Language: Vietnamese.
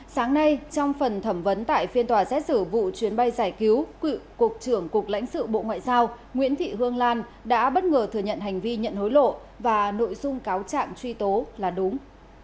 sáng nay trong phần thẩm vấn tại phiên tòa xét xử vụ chuyến bay giải cứu cựu cục trưởng cục lãnh sự bộ ngoại giao nguyễn thị hương lan đã bất ngờ thừa nhận hành vi nhận hối lộ và nội dung cáo trạng truy tố là đúng